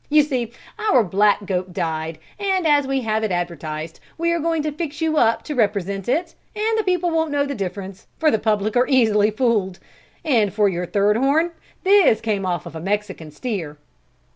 You see our black goat died and as we have it advertised, we are going to fix you up to represent it and the people won't know the difference for the public are easily fooled. And for your third horn this came off of a Mexican steer."